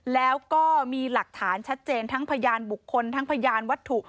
แล้วก็มีหลักฐานชัดเจนทั้งพยานบุคคลทั้งพยานวัตถุ